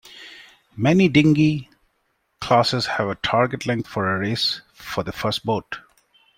Many dinghy classes have a target length for a race for the first boat.